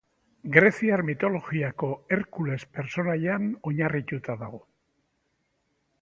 Greziar mitologiako Herkules pertsonaian oinarritua dago.